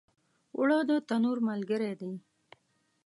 اوړه د تنور ملګری دي